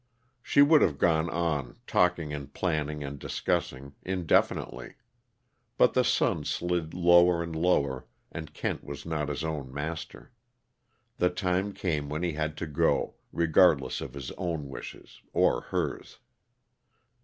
She would have gone on, talking and planning and discussing, indefinitely. But the sun slid lower and lower, and Kent was not his own master. The time came when he had to go, regardless of his own wishes, or hers.